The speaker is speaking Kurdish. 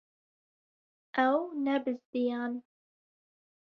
Ew nebizdiyan.